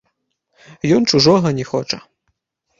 Ён чужога не хоча.